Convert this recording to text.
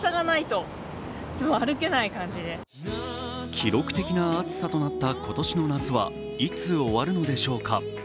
記録的な暑さとなった今年の夏はいつ終わるのでしょうか。